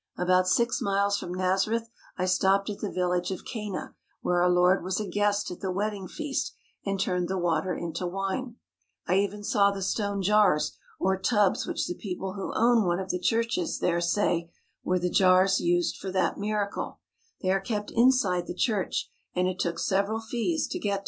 About six miles from Nazareth I stopped at the village of Cana where our Lord was a guest at the wedding feast and turned the water into wine. I even saw the stone jars or tubs which the people who own one of the churches there say were the jars used for that miracle.